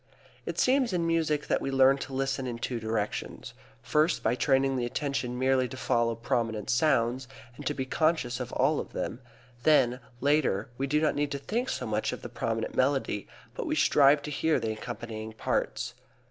It seems in music that we learn to listen in two directions. First, by training the attention merely to follow prominent sounds and to be conscious of all of them; then, later, we do not need to think so much of the prominent melody but we strive to hear the accompanying parts.